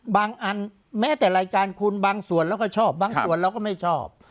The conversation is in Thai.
อันแม้แต่รายการคุณบางส่วนเราก็ชอบบางส่วนเราก็ไม่ชอบ